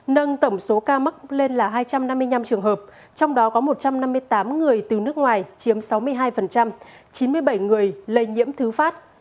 nâng tổng số ca mắc lên là hai trăm năm mươi năm trường hợp trong đó có một trăm năm mươi tám người từ nước ngoài chiếm sáu mươi hai chín mươi bảy người lây nhiễm thứ phát